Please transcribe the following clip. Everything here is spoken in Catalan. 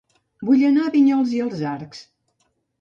Vull anar a Vinyols i els Arcs